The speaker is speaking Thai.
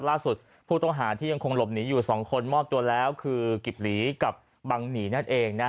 ล่าสุดผู้ต้องหาที่ยังคงหลบหนีอยู่๒คนมอบตัวแล้วคือกิบหลีกับบังหนีนั่นเอง